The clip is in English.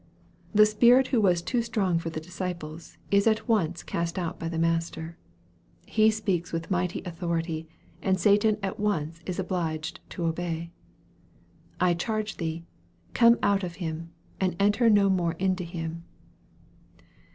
The spirit who was too strong for the disciples, is at once cast out by the Master. He speaks with mighty au thority, and Satan at once is obliged to obey, " I charge thee, come out of him, and enter no more into him."